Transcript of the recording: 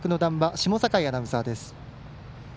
下境アナウンサーです。